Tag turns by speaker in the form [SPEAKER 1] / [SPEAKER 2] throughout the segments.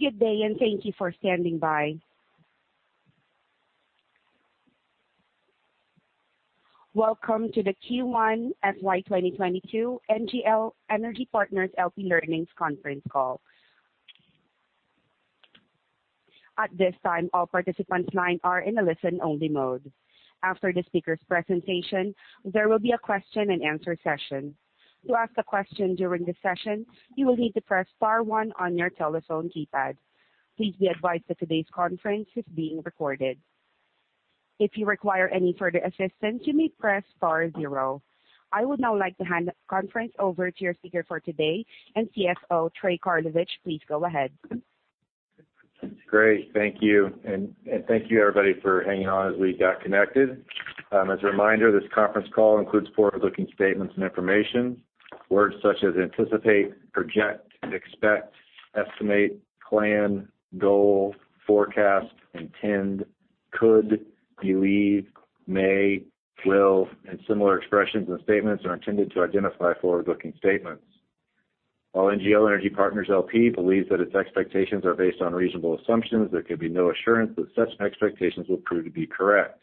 [SPEAKER 1] Good day, and thank you for standing by. Welcome to the Q1 FY 2022 NGL Energy Partners LP Earnings Conference Call. At this time, all participants' lines are in a listen-only mode. After the speaker's presentation, there will be a question-and-answer session. Please be advised that today's conference is being recorded. I would now like to hand the conference over to your speaker for today, CFO Trey Karlovich. Please go ahead.
[SPEAKER 2] Great. Thank you. Thank you everybody for hanging on as we got connected. As a reminder, this conference call includes forward-looking statements and information. Words such as anticipate, project, expect, estimate, plan, goal, forecast, intend, could, believe, may, will, and similar expressions and statements are intended to identify forward-looking statements. While NGL Energy Partners LP believes that its expectations are based on reasonable assumptions, there can be no assurance that such expectations will prove to be correct.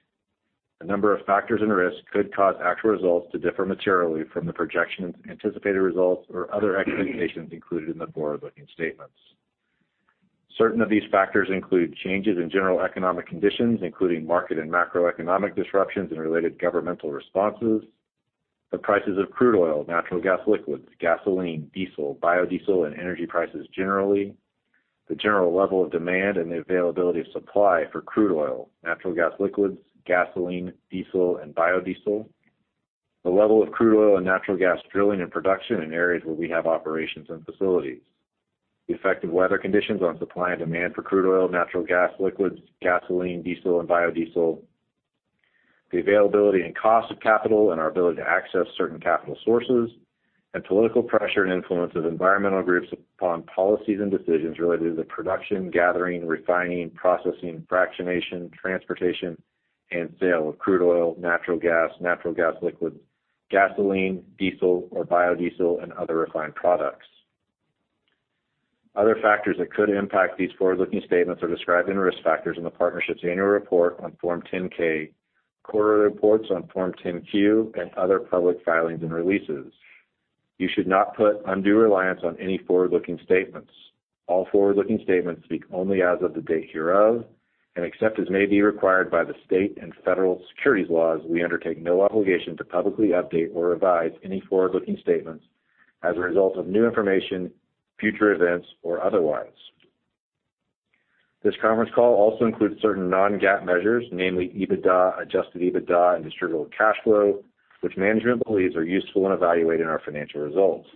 [SPEAKER 2] A number of factors and risks could cause actual results to differ materially from the projections, anticipated results, or other expectations included in the forward-looking statements. Certain of these factors include changes in general economic conditions, including market and macroeconomic disruptions and related governmental responses. The prices of crude oil, natural gas liquids, gasoline, diesel, biodiesel, and energy prices generally. The general level of demand and the availability of supply for crude oil, natural gas liquids, gasoline, diesel, and biodiesel. The level of crude oil and natural gas drilling and production in areas where we have operations and facilities. The effect of weather conditions on supply and demand for crude oil, natural gas liquids, gasoline, diesel, and biodiesel. The availability and cost of capital and our ability to access certain capital sources. Political pressure and influence of environmental groups upon policies and decisions related to the production, gathering, refining, processing, fractionation, transportation, and sale of crude oil, natural gas, natural gas liquids, gasoline, diesel or biodiesel, and other refined products. Other factors that could impact these forward-looking statements are described in risk factors in the partnership's annual report on Form 10-K, quarterly reports on Form 10-Q and other public filings and releases. You should not put undue reliance on any forward-looking statements. All forward-looking statements speak only as of the date hereof, and except as may be required by the state and federal securities laws, we undertake no obligation to publicly update or revise any forward-looking statements as a result of new information, future events, or otherwise. This conference call also includes certain non-GAAP measures, namely EBITDA, Adjusted EBITDA, and distributable cash flow, which management believes are useful in evaluating our financial results.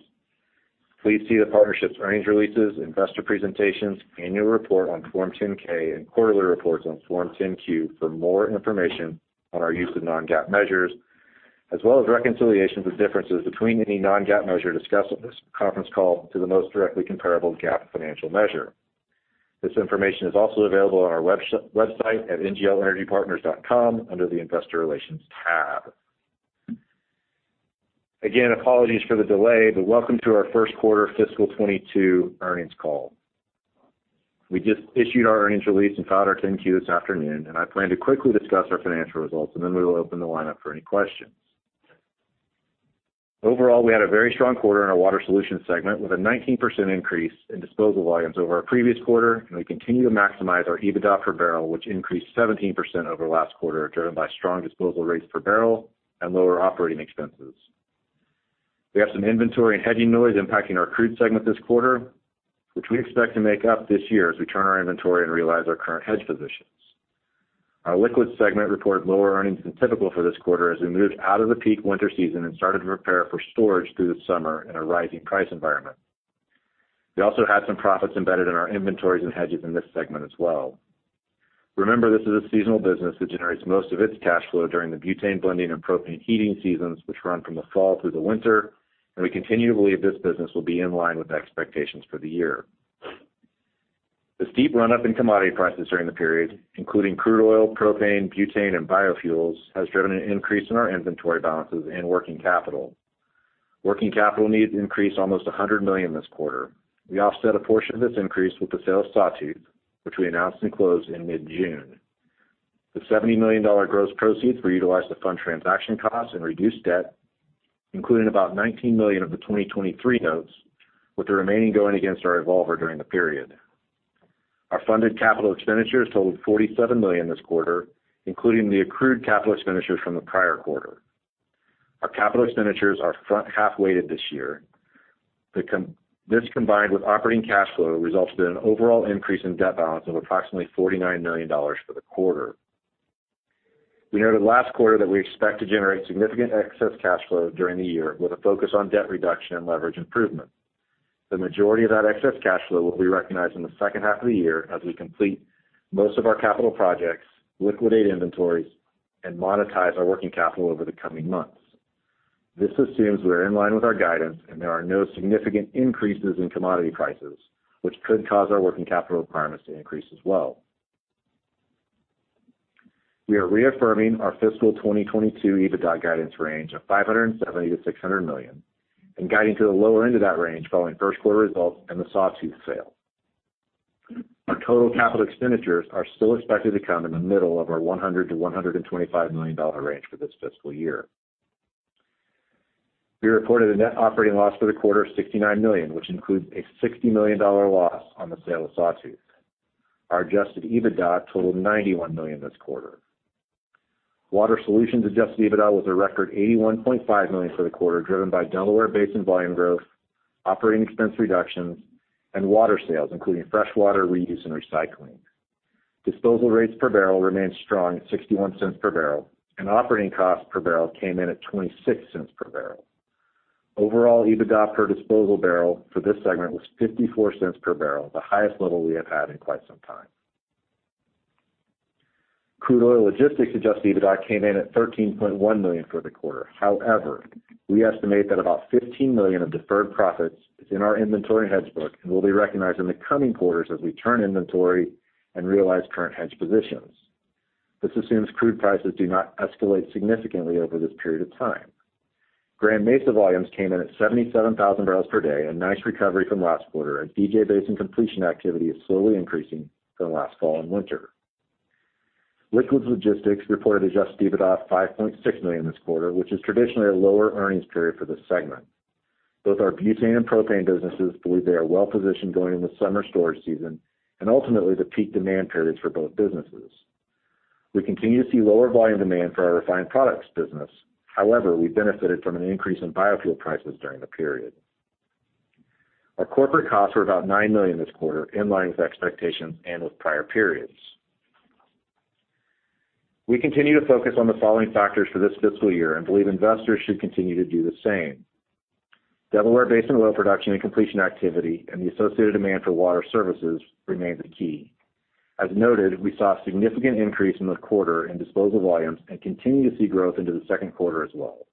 [SPEAKER 2] Please see the partnership's earnings releases, investor presentations, annual report on Form 10-K and quarterly reports on Form 10-Q for more information on our use of non-GAAP measures, as well as reconciliations of differences between any non-GAAP measure discussed on this conference call to the most directly comparable GAAP financial measure. This information is also available on our website at nglenergypartners.com under the investor relations tab. Again, apologies for the delay, but welcome to our First Quarter Fiscal 2022 earnings call. We just issued our earnings release and filed our 10-Q this afternoon. I plan to quickly discuss our financial results. Then we will open the line up for any questions. Overall, we had a very strong quarter in our Water Solutions segment, with a 19% increase in disposal volumes over our previous quarter. We continue to maximize our EBITDA per barrel, which increased 17% over last quarter, driven by strong disposal rates per barrel and lower operating expenses. We have some inventory and hedging noise impacting our Crude segment this quarter, which we expect to make up this year as we turn our inventory and realize our current hedge positions. Our Liquids Logistics segment reported lower earnings than typical for this quarter as we moved out of the peak winter season and started to prepare for storage through the summer in a rising price environment. We also had some profits embedded in our inventories and hedges in this segment as well. Remember, this is a seasonal business that generates most of its cash flow during the butane blending and propane heating seasons, which run from the fall through the winter. We continue to believe this business will be in line with expectations for the year. The steep run-up in commodity prices during the period, including crude oil, propane, butane, and biofuels, has driven an increase in our inventory balances and working capital. Working capital needs increased almost $100 million this quarter. We offset a portion of this increase with the sale of Sawtooth, which we announced and closed in mid-June. The $70 million gross proceeds were utilized to fund transaction costs and reduce debt, including about $19 million of the 2023 notes, with the remaining going against our revolver during the period. Our funded capital expenditures totaled $47 million this quarter, including the accrued capital expenditures from the prior quarter. Our capital expenditures are front-half weighted this year. This, combined with operating cash flow, results in an overall increase in debt balance of approximately $49 million for the quarter. We noted last quarter that we expect to generate significant excess cash flow during the year with a focus on debt reduction and leverage improvement. The majority of that excess cash flow will be recognized in the second half of the year as we complete most of our capital projects, liquidate inventories, and monetize our working capital over the coming months. This assumes we are in line with our guidance and there are no significant increases in commodity prices, which could cause our working capital requirements to increase as well. We are reaffirming our fiscal 2022 EBITDA guidance range of $570 million-$600 million and guiding to the lower end of that range following first quarter results and the Sawtooth sale. Our total capital expenditures are still expected to come in the middle of our $100 million-$125 million range for this fiscal year. We reported a net operating loss for the quarter of $69 million, which includes a $60 million loss on the sale of Sawtooth. Our Adjusted EBITDA totaled $91 million this quarter. Water Solutions Adjusted EBITDA was a record $81.5 million for the quarter, driven by Delaware Basin volume growth, operating expense reductions, and water sales, including fresh water reuse and recycling. Disposal rates per barrel remained strong at $0.61 per barrel, and operating costs per barrel came in at $0.26 per barrel. Overall, EBITDA per disposal barrel for this segment was $0.54 per barrel, the highest level we have had in quite some time. Crude Oil Logistics adjusted EBITDA came in at $13.1 million for the quarter. However, we estimate that about $15 million of deferred profits is in our inventory hedge book and will be recognized in the coming quarters as we turn inventory and realize current hedge positions. This assumes crude prices do not escalate significantly over this period of time. Grand Mesa volumes came in at 77,000 barrels per day, a nice recovery from last quarter, and DJ Basin completion activity is slowly increasing from last fall and winter. Liquids Logistics reported Adjusted EBITDA of $5.6 million this quarter, which is traditionally a lower earnings period for this segment. Both our butane and propane businesses believe they are well-positioned going into summer storage season and ultimately the peak demand periods for both businesses. We continue to see lower volume demand for our refined products business. However, we benefited from an increase in biodiesel prices during the period. Our corporate costs were about $9 million this quarter, in line with expectations and with prior periods. We continue to focus on the following factors for this fiscal year and believe investors should continue to do the same. Delaware Basin well production and completion activity and the associated demand for water services remains key. As noted, we saw a significant increase in the quarter in disposal volumes and continue to see growth into the second quarter as well.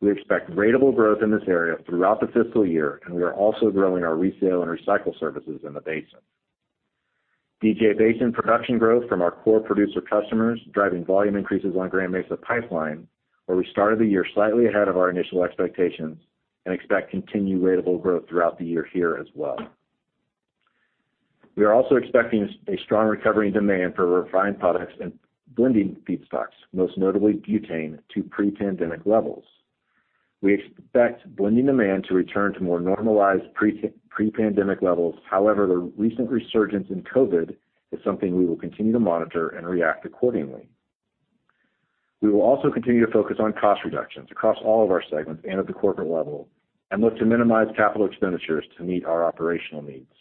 [SPEAKER 2] We expect ratable growth in this area throughout the fiscal year, and we are also growing our resale and recycle services in the basin. DJ Basin production growth from our core producer customers driving volume increases on Grand Mesa Pipeline, where we started the year slightly ahead of our initial expectations and expect continued ratable growth throughout the year here as well. We are also expecting a strong recovery in demand for refined products and blending feedstocks, most notably butane, to pre-pandemic levels. We expect blending demand to return to more normalized pre-pandemic levels. However, the recent resurgence in COVID is something we will continue to monitor and react accordingly. We will also continue to focus on cost reductions across all of our segments and at the corporate level and look to minimize capital expenditures to meet our operational needs.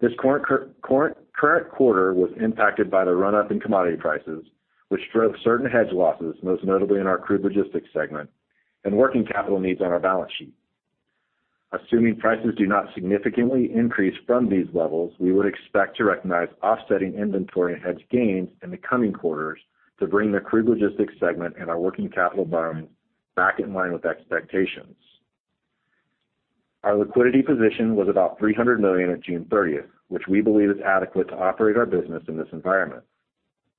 [SPEAKER 2] This current quarter was impacted by the run-up in commodity prices, which drove certain hedge losses, most notably in our Crude Logistics segment, and working capital needs on our balance sheet. Assuming prices do not significantly increase from these levels, we would expect to recognize offsetting inventory hedge gains in the coming quarters to bring the Crude Logistics segment and our working capital balance back in line with expectations. Our liquidity position was about $300 million on June 30th, which we believe is adequate to operate our business in this environment.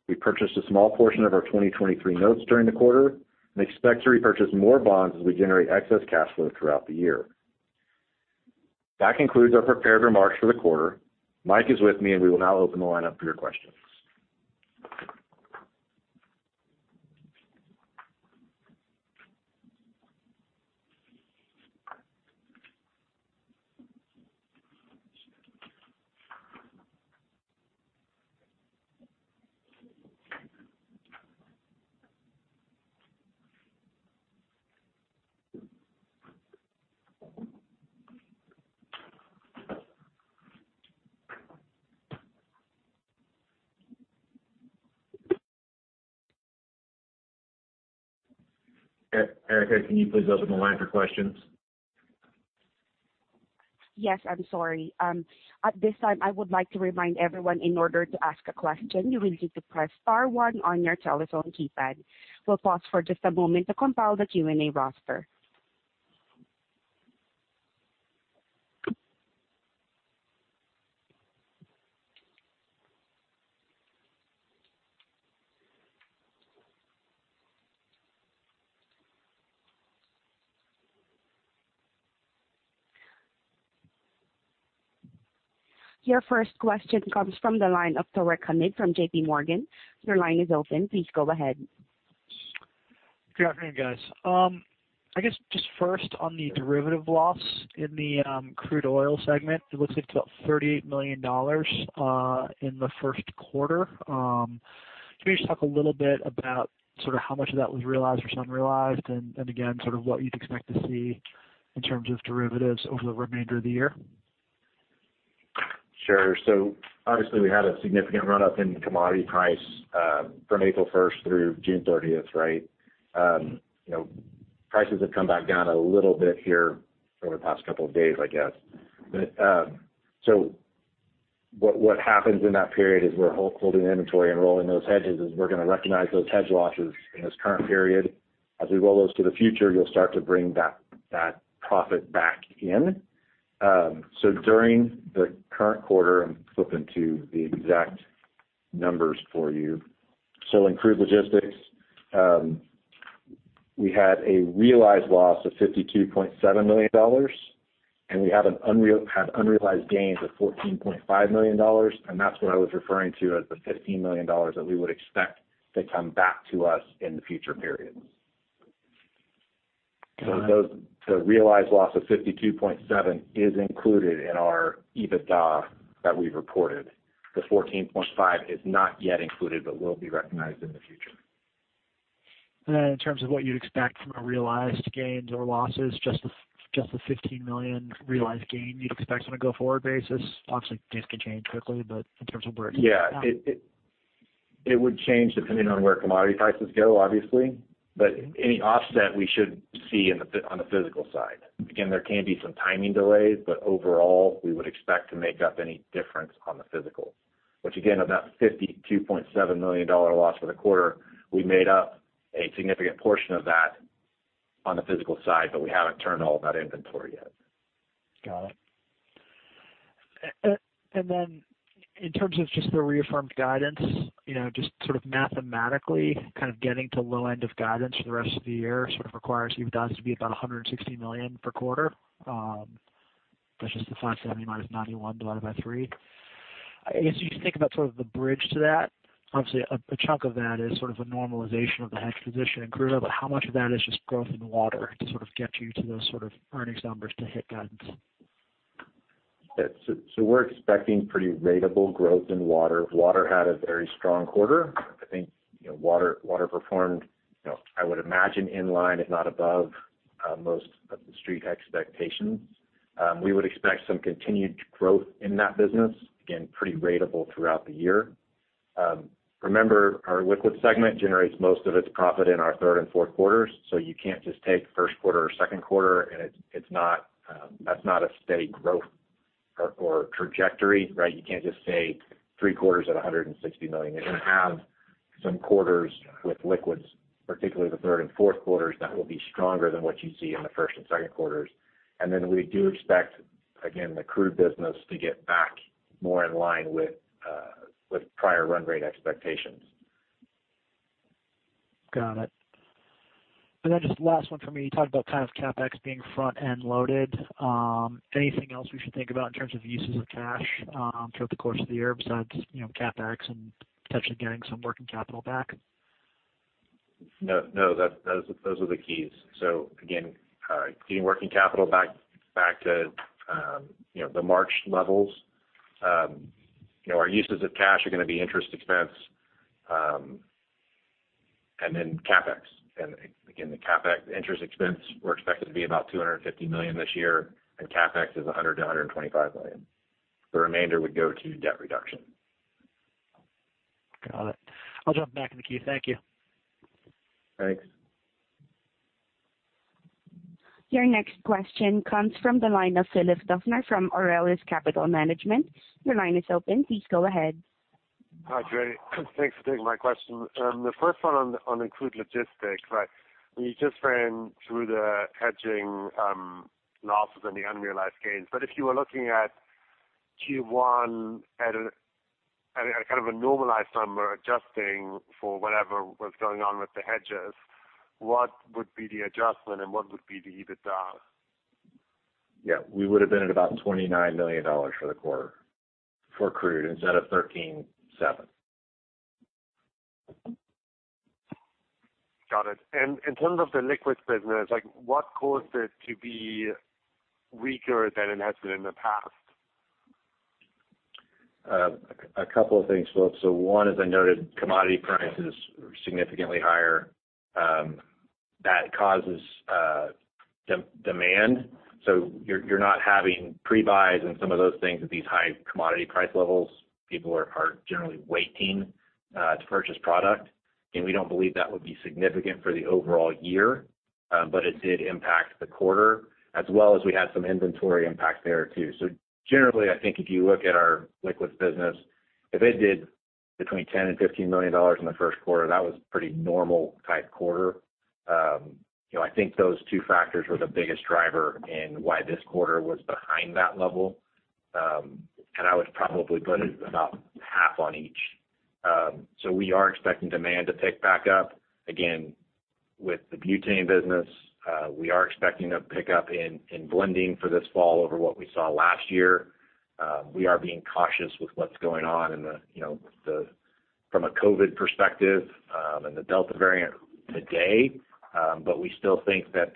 [SPEAKER 2] We purchased a small portion of our 2023 notes during the quarter and expect to repurchase more bonds as we generate excess cash flow throughout the year. That concludes our prepared remarks for the quarter. Mike is with me. We will now open the line up for your questions. Erica, can you please open the line for questions?
[SPEAKER 1] Yes. I'm sorry. At this time, I would like to remind everyone in order to ask a question, you will need to press star one on your telephone keypad. We'll pause for just a moment to compile the Q&A roster. Your first question comes from the line of Tarek Hamid from JPMorgan. Your line is open. Please go ahead.
[SPEAKER 3] Good afternoon, guys. I guess just first on the derivative loss in the Crude Oil Logistics, it looks like it's about $38 million in the first quarter. Can you just talk a little bit about how much of that was realized or unrealized and, again, what you'd expect to see in terms of derivatives over the remainder of the year?
[SPEAKER 2] Sure. Obviously we had a significant run-up in commodity price from April 1st through June 30th, right? Prices have come back down a little bit here over the past couple of days, I guess. What happens in that period is we're holding inventory and rolling those hedges is we're going to recognize those hedge losses in this current period. As we roll those to the future, you'll start to bring that profit back in. During the current quarter, I'm flipping to the exact numbers for you. In Crude Logistics, we had a realized loss of $52.7 million, and we had unrealized gains of $14.5 million, and that's what I was referring to as the $15 million that we would expect to come back to us in the future periods.
[SPEAKER 3] Got it.
[SPEAKER 2] The realized loss of $52.7 is included in our EBITDA that we've reported. The $14.5 is not yet included but will be recognized in the future.
[SPEAKER 3] Then in terms of what you'd expect from a realized gains or losses, just the $15 million realized gain you'd expect on a go-forward basis? Obviously, this can change quickly, but in terms of where it's at.
[SPEAKER 2] Yeah. It would change depending on where commodity prices go, obviously. Any offset we should see on the physical side. Again, there can be some timing delays, but overall, we would expect to make up any difference on the physical. Which again, of that $52.7 million loss for the quarter, we made up a significant portion of that on the physical side, but we haven't turned all of that inventory yet.
[SPEAKER 3] Got it. Then in terms of just the reaffirmed guidance, just sort of mathematically, kind of getting to low end of guidance for the rest of the year, sort of requires EBITDAs to be about $160 million per quarter. That's just the 570 minus 91 divided by three. I guess you could think about sort of the bridge to that. Obviously, a chunk of that is sort of a normalization of the hedge position in crude oil, but how much of that is just growth in Water to sort of get you to those sort of earnings numbers to hit guidance?
[SPEAKER 2] We're expecting pretty ratable growth in Water. Water had a very strong quarter. I think Water performed, I would imagine, in line if not above most of the Street expectations. We would expect some continued growth in that business, again, pretty ratable throughout the year. Remember, our Liquids segment generates most of its profit in our third and fourth quarters, so you can't just take first quarter or second quarter, and that's not a steady growth or trajectory, right? You can't just say three quarters at $160 million. You're going to have some quarters with Liquids, particularly the third and fourth quarters, that will be stronger than what you see in the first and second quarters. We do expect, again, the Crude business to get back more in line with prior run rate expectations.
[SPEAKER 3] Got it. Just last one for me, you talked about kind of CapEx being front-end loaded. Anything else we should think about in terms of uses of cash throughout the course of the year besides CapEx and potentially getting some working capital back?
[SPEAKER 2] Those are the keys. Again, getting working capital back to the March levels. Our uses of cash are going to be interest expense and then CapEx. Again, the CapEx interest expense, we're expecting to be about $250 million this year, and CapEx is $100 million-$125 million. The remainder would go to debt reduction.
[SPEAKER 3] Got it. I'll jump back in the queue. Thank you.
[SPEAKER 2] Thanks.
[SPEAKER 1] Your next question comes from the line of Philipp Duffner from Aurelius Capital Management. Your line is open, please go ahead.
[SPEAKER 4] Hi, Trey. Thanks for taking my question. The first one on Crude Oil Logistics, right? You just ran through the hedging losses and the unrealized gains. If you were looking at Q1 at a kind of a normalized number, adjusting for whatever was going on with the hedges, what would be the adjustment and what would be the EBITDA?
[SPEAKER 2] Yeah. We would have been at about $29 million for the quarter for crude instead of $13.7.
[SPEAKER 4] Got it. In terms of the liquids business, what caused it to be weaker than it has been in the past?
[SPEAKER 2] A couple of things, Philipp. One, as I noted, commodity prices were significantly higher. That causes demand. You're not having pre-buys and some of those things at these high commodity price levels. People are generally waiting to purchase product. Again, we don't believe that would be significant for the overall year, but it did impact the quarter, as well as we had some inventory impact there, too. Generally, I think if you look at our liquids business, if it did between $10 million and $15 million in the first quarter, that was pretty normal type quarter. I think those two factors were the biggest driver in why this quarter was behind that level, and I would probably put it about half on each. We are expecting demand to pick back up. With the butane business, we are expecting a pickup in blending for this fall over what we saw last year. We are being cautious with what's going on from a COVID perspective, and the Delta variant today, but we still think that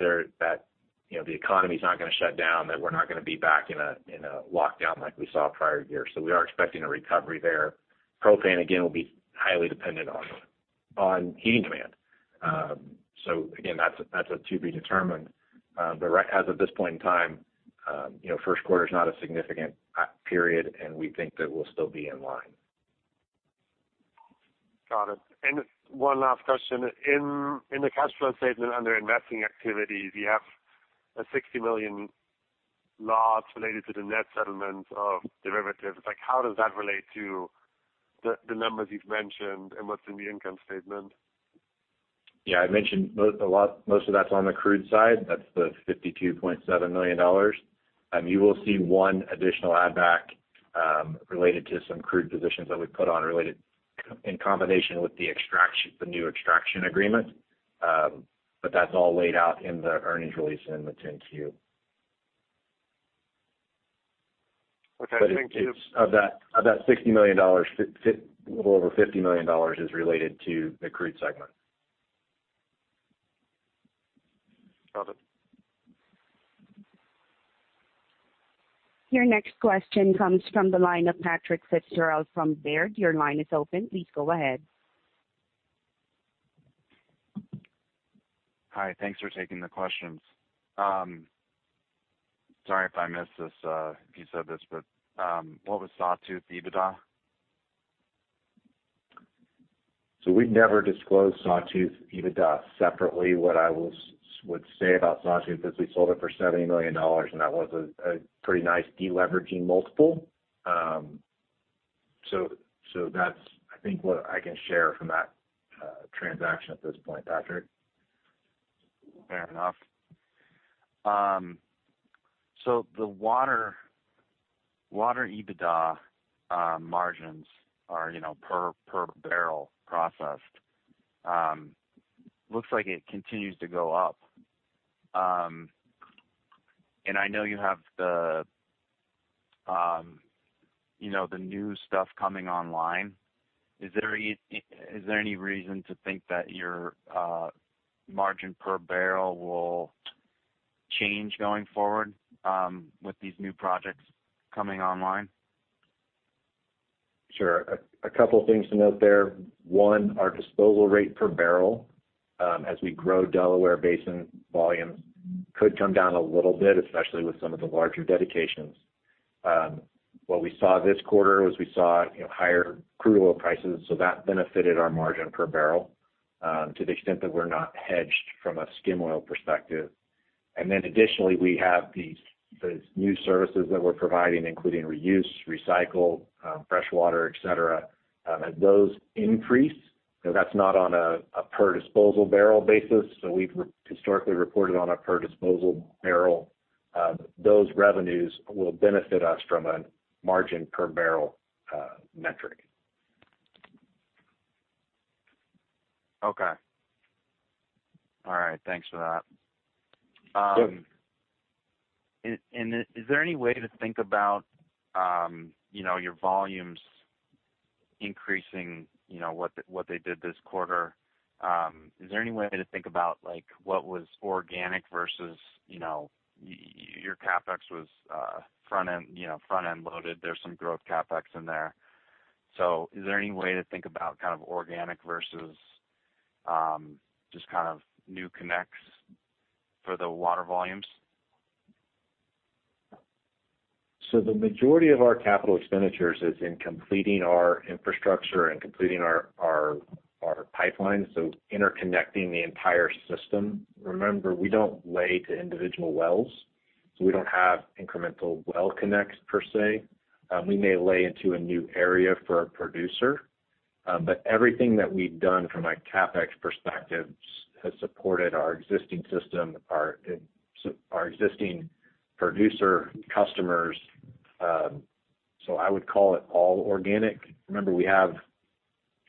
[SPEAKER 2] the economy's not going to shut down, that we're not going to be back in a lockdown like we saw prior year. We are expecting a recovery there. Propane, again, will be highly dependent on heating demand. Again, that's to be determined. As of this point in time, first quarter is not a significant period, and we think that we'll still be in line.
[SPEAKER 4] Got it. One last question. In the cash flow statement under investing activities, you have a $60 million loss related to the net settlement of derivatives. How does that relate to the numbers you've mentioned and what's in the income statement?
[SPEAKER 2] Yeah, I mentioned most of that's on the crude side. That's the $52.7 million. You will see one additional add-back related to some crude positions that we put on in combination with the new extraction agreement. That's all laid out in the earnings release in the 10-Q.
[SPEAKER 4] Okay. Thank you.
[SPEAKER 2] Of that $60 million, a little over $50 million is related to the crude segment.
[SPEAKER 4] Got it.
[SPEAKER 1] Your next question comes from the line of Patrick Fitzgerald from Baird. Your line is open. Please go ahead.
[SPEAKER 5] Hi. Thanks for taking the questions. Sorry if I missed this, if you said this, but what was Sawtooth EBITDA?
[SPEAKER 2] We never disclosed Sawtooth EBITDA separately. What I would say about Sawtooth is we sold it for $70 million, and that was a pretty nice de-leveraging multiple. That's I think what I can share from that transaction at this point, Patrick.
[SPEAKER 5] Fair enough. The water EBITDA margins are per barrel processed. Looks like it continues to go up. I know you have the new stuff coming online. Is there any reason to think that your margin per barrel will change going forward with these new projects coming online?
[SPEAKER 2] Sure. A couple things to note there. One, our disposal rate per barrel, as we grow Delaware Basin volumes, could come down a little bit, especially with some of the larger dedications. What we saw this quarter was we saw higher crude oil prices, so that benefited our margin per barrel to the extent that we're not hedged from a skim oil perspective. Additionally, we have those new services that we're providing, including reuse, recycle, fresh water, et cetera. As those increase, that's not on a per disposal barrel basis, so we've historically reported on a per disposal barrel. Those revenues will benefit us from a margin per barrel metric.
[SPEAKER 5] Okay. All right. Thanks for that.
[SPEAKER 2] Sure.
[SPEAKER 5] Is there any way to think about your volumes increasing what they did this quarter? Your CapEx was front-end loaded. There's some growth CapEx in there. Is there any way to think about kind of organic versus just kind of new connects for the water volumes?
[SPEAKER 2] The majority of our capital expenditures is in completing our infrastructure and completing our pipeline, interconnecting the entire system. Remember, we don't lay to individual wells, so we don't have incremental well connects, per se. We may lay into a new area for a producer. Everything that we've done from a CapEx perspective has supported our existing system, our existing producer customers. I would call it all organic. Remember, we have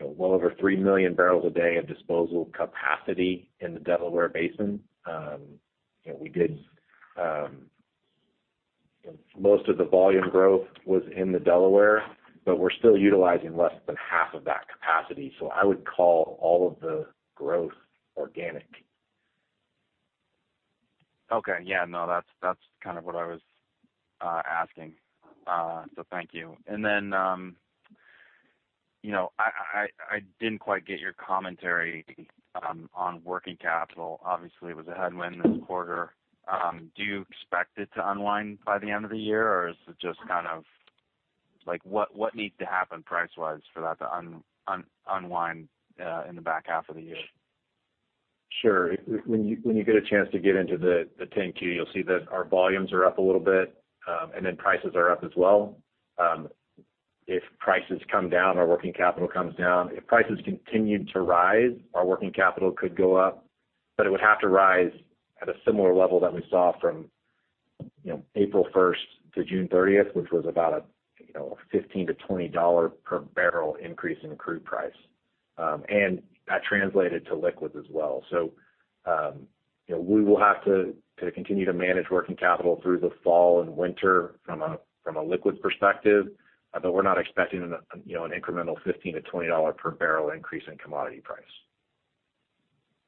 [SPEAKER 2] well over 3 million barrels a day of disposal capacity in the Delaware Basin. Most of the volume growth was in the Delaware, but we're still utilizing less than half of that capacity. I would call all of the growth organic.
[SPEAKER 5] Okay. Yeah. No, that's kind of what I was asking. Thank you. Then I didn't quite get your commentary on working capital. Obviously, it was a headwind this quarter. Do you expect it to unwind by the end of the year, or is it just, like, what needs to happen price-wise for that to unwind in the back half of the year?
[SPEAKER 2] Sure. When you get a chance to get into the 10-Q, you'll see that our volumes are up a little bit, prices are up as well. If prices come down, our working capital comes down. If prices continued to rise, our working capital could go up, but it would have to rise at a similar level that we saw from April 1st to June 30th, which was about a $15-$20 per barrel increase in crude price. That translated to liquids as well. We will have to continue to manage working capital through the fall and winter from a liquid perspective, although we're not expecting an incremental $15-$20 per barrel increase in commodity price.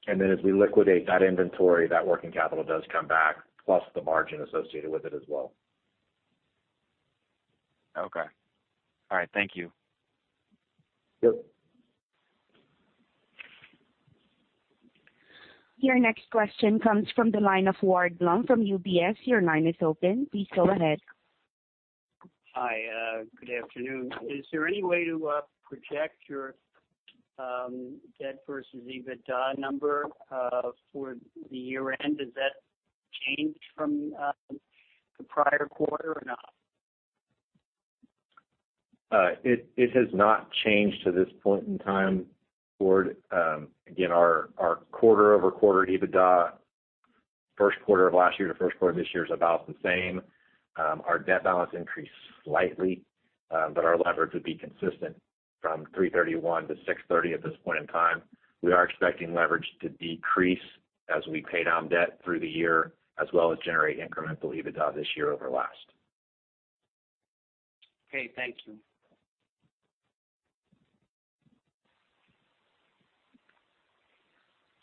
[SPEAKER 2] As we liquidate that inventory, that working capital does come back, plus the margin associated with it as well.
[SPEAKER 5] Okay. All right. Thank you.
[SPEAKER 2] Yep.
[SPEAKER 1] Your next question comes from the line of Ward Blum from UBS. Your line is open. Please go ahead.
[SPEAKER 6] Hi. Good afternoon. Is there any way to project your debt versus EBITDA number for the year-end? Has that changed from the prior quarter or not?
[SPEAKER 2] It has not changed to this point in time, Ward. Again, our quarter-over-quarter EBITDA, first quarter of last year to first quarter of this year is about the same. Our debt balance increased slightly. Our leverage would be consistent from 3/31 to 6/30 at this point in time. We are expecting leverage to decrease as we pay down debt through the year, as well as generate incremental EBITDA this year over last.
[SPEAKER 6] Okay. Thank you.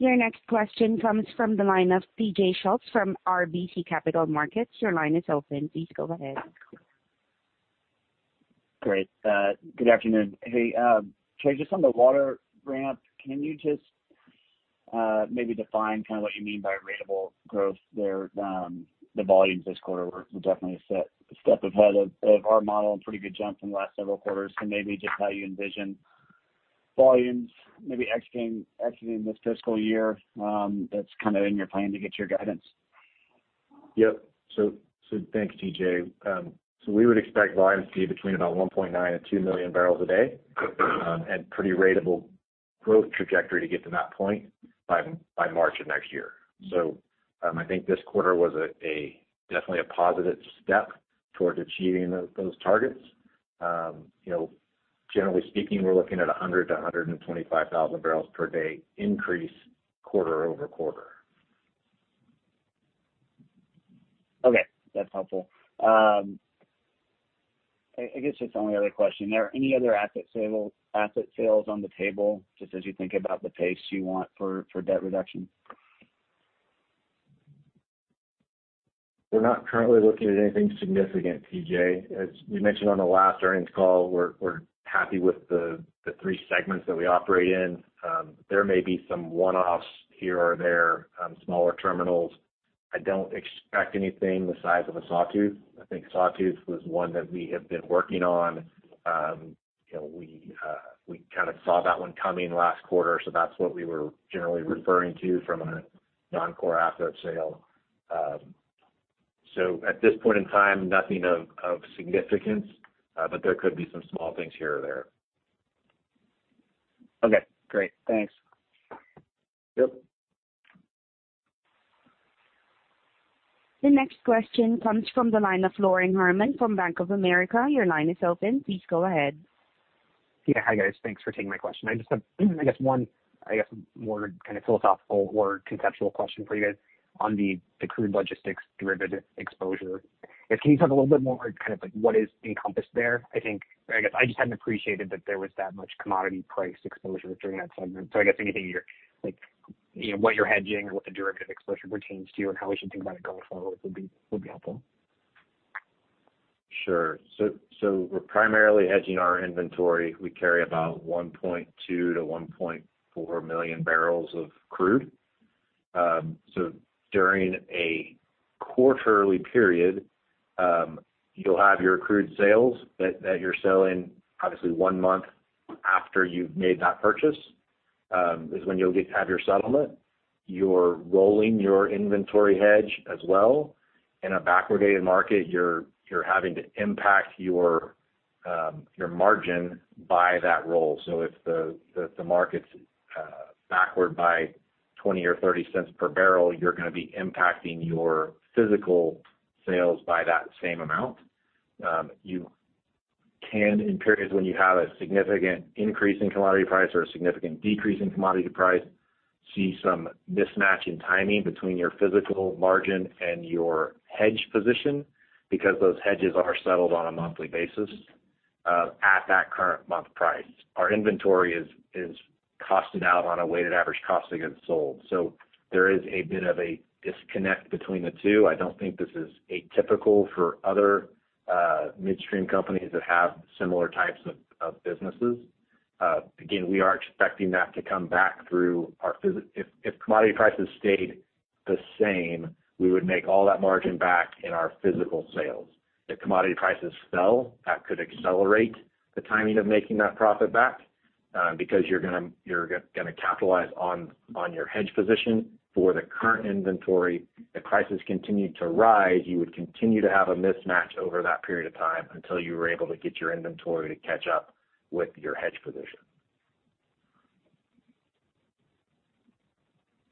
[SPEAKER 1] Your next question comes from the line of TJ Schultz from RBC Capital Markets. Your line is open. Please go ahead.
[SPEAKER 7] Great. Good afternoon. Hey, Trey, just on the water ramp, can you just maybe define what you mean by ratable growth there? The volumes this quarter were definitely a step ahead of our model and pretty good jump from the last several quarters. Maybe just how you envision volumes maybe executing this fiscal year that's in your plan to get your guidance?
[SPEAKER 2] Yep. Thanks, TJ. We would expect volumes to be between about 1.9 and 2 million barrels a day, and pretty ratable growth trajectory to get to that point by March of next year. I think this quarter was definitely a positive step towards achieving those targets. Generally speaking, we're looking at 100,000-125,000 barrels per day increase quarter-over-quarter.
[SPEAKER 7] Okay. That's helpful. I guess just only other question. Are there any other asset sales on the table, just as you think about the pace you want for debt reduction?
[SPEAKER 2] We're not currently looking at anything significant, TJ. As we mentioned on the last earnings call, we're happy with the three segments that we operate in. There may be some one-offs here or there, smaller terminals. I don't expect anything the size of a Sawtooth. I think Sawtooth was one that we have been working on. We kind of saw that one coming last quarter, so that's what we were generally referring to from a non-core asset sale. At this point in time, nothing of significance, but there could be some small things here or there.
[SPEAKER 7] Okay, great. Thanks.
[SPEAKER 2] Yep.
[SPEAKER 1] The next question comes from the line of Loren Harman from Bank of America. Your line is open. Please go ahead.
[SPEAKER 8] Hi, guys. Thanks for taking my question. I just have one, more kind of philosophical or conceptual question for you guys on the Crude Oil Logistics derivative exposure. Can you talk a little bit more, like what is encompassed there? I just hadn't appreciated that there was that much commodity price exposure during that segment. What you're hedging or what the derivative exposure pertains to and how we should think about it going forward would be helpful.
[SPEAKER 2] Sure. We're primarily hedging our inventory. We carry about 1.2 to 1.4 million barrels of crude. During a quarterly period, you'll have your crude sales that you're selling, obviously, one month after you've made that purchase, is when you'll have your settlement. You're rolling your inventory hedge as well. In a backwardated market, you're having to impact your margin by that roll. If the market's backward by $0.20 or $0.30 per barrel, you're going to be impacting your physical sales by that same amount. You can, in periods when you have a significant increase in commodity price or a significant decrease in commodity price, see some mismatch in timing between your physical margin and your hedge position, because those hedges are settled on a monthly basis at that current month price. Our inventory is costed out on a weighted average cost against sold. There is a bit of a disconnect between the two. I don't think this is atypical for other midstream companies that have similar types of businesses. We are expecting that to come back through our If commodity prices stayed the same, we would make all that margin back in our physical sales. If commodity prices fell, that could accelerate the timing of making that profit back, because you're gonna capitalize on your hedge position for the current inventory. If prices continued to rise, you would continue to have a mismatch over that period of time until you were able to get your inventory to catch up with your hedge position.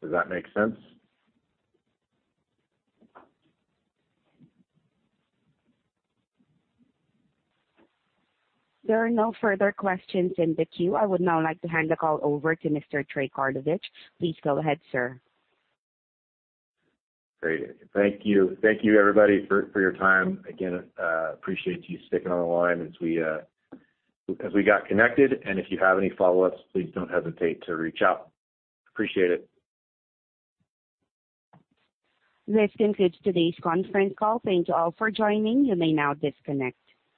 [SPEAKER 2] Does that make sense?
[SPEAKER 1] There are no further questions in the queue. I would now like to hand the call over to Mr. Trey Karlovich. Please go ahead, sir.
[SPEAKER 2] Great. Thank you. Thank you, everybody, for your time. Again, appreciate you sticking on the line as we got connected, and if you have any follow-ups, please don't hesitate to reach out. Appreciate it.
[SPEAKER 1] This concludes today's conference call. Thank you all for joining. You may now disconnect.